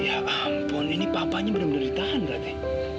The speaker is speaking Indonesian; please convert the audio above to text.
ya ampun ini papahnya bener bener ditahan berarti